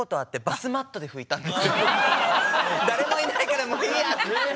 誰もいないからもういいやって。